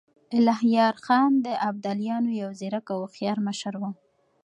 الهيار خان د ابدالیانو يو ځيرک او هوښیار مشر و.